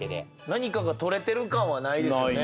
何かが取れてる感はないですよね。